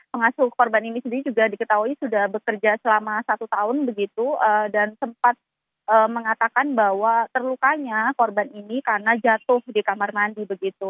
pengasuh korban ini sendiri juga diketahui sudah bekerja selama satu tahun begitu dan sempat mengatakan bahwa terlukanya korban ini karena jatuh di kamar mandi begitu